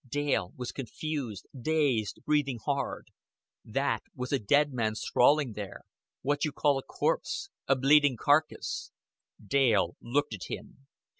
Dale was confused, dazed, breathing hard. That was a dead man sprawling there what you call a corpse, a bleeding carcass. Dale looked at him.